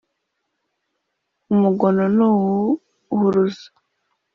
umugono muwuhuruza!